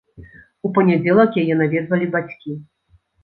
У панядзелак яе наведвалі бацькі.